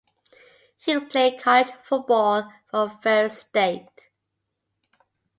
He played college football for Ferris State.